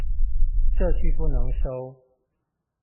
這句不能收